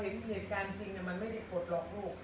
แต่พอเห็นเหตุการณ์จริงเนี่ยมันไม่ใกล้กดหรอกลูก